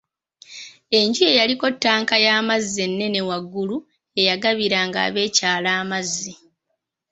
Enju ye yaliko ttanka y'amazzi ennene waggulu eyagabiranga ab'ekyalo amazzi.